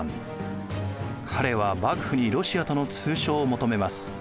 彼は幕府にロシアとの通商を求めます。